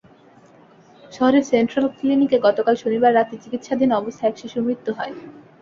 শহরের সেন্ট্রাল ক্লিনিকে গতকাল শনিবার রাতে চিকিৎসাধীন অবস্থায় এক শিশুর মৃত্যু হয়।